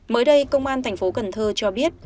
mới đây công an tp cn cho biết